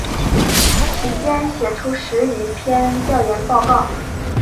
其间写出十余篇调研报告。